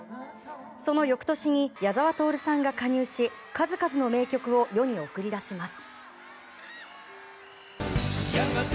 その翌年に矢沢透さんが加入し数々の名曲を世に送り出します。